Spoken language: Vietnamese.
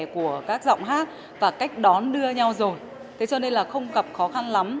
và các cách đón đưa nhau rồi thế cho nên là không gặp khó khăn lắm